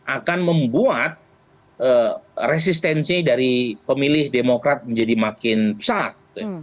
akan membuat resistensi dari pemilih demokrat menjadi makin besar